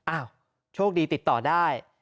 โชคดีติดต่อได้